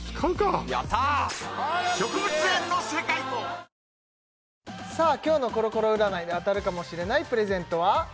「ハミング」史上Ｎｏ．１抗菌今日のコロコロ占いで当たるかもしれないプレゼントは？